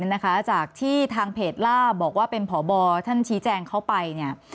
มาจากที่ทางเพจล่าบบอกว่าเป็นผบท่านชีแจงเข้าไป